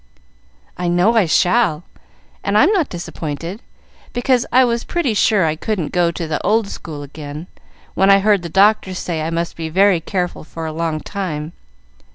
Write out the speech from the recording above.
"I know I shall; and I'm not disappointed, because I was pretty sure I couldn't go to the old school again, when I heard the doctor say I must be very careful for a long time.